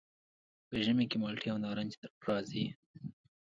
په ژمي کې مالټې او نارنج راځي.